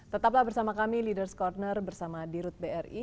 tetaplah bersama kami leaders' corner bersama di rut bri